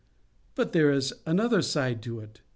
But there is another side to it.